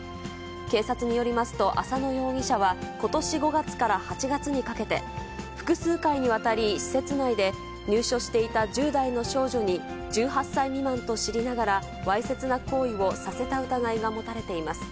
警察によりますと、浅野容疑者はことし５月から８月にかけて、複数回にわたり、施設内で入所していた１０代の少女に１８歳未満と知りながら、わいせつな行為をさせた疑いが持たれています。